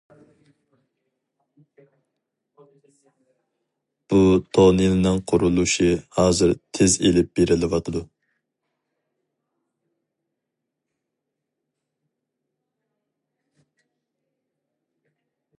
بۇ تونېلنىڭ قۇرۇلۇشى ھازىر تېز ئېلىپ بېرىلىۋاتىدۇ.